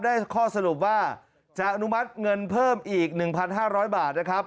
ได้ข้อสรุปว่าจะอนุมัติเงินเพิ่มอีก๑๕๐๐บาทนะครับ